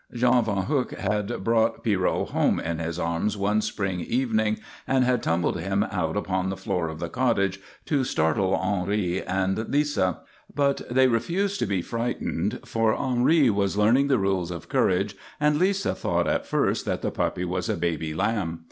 Jean Van Huyk had brought Pierrot home in his arms one spring evening and had tumbled him out upon the floor of the cottage to startle Henri and Lisa. But they refused to be frightened, for Henri was learning the rules of courage and Lisa thought at first that the puppy was a baby lamb.